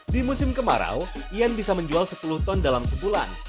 di musim kemarau ian bisa menjual sepuluh ton dalam sebulan